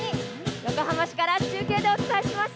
横浜市から中継でお伝えしました。